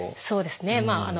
そうですねまあ